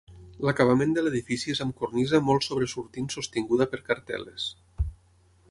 L'acabament de l'edifici és amb cornisa molt sobresortint sostinguda per cartel·les.